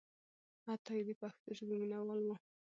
عطایي د پښتو ژبې مینهوال و.